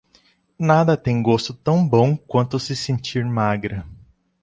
Nada tem um gosto tão bom quanto se sentir magra